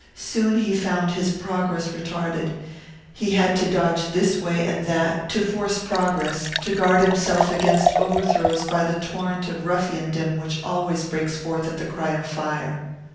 Soon he found his progress retarded; he had to dodge this way and that, to force progress, to guard himself against overthrows by the torrent of ruffiandom which always breaks forth at the cry of fire.